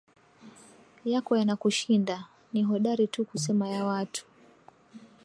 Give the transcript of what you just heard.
Yako yanakushinda, ni hodari tu kusema ya watu.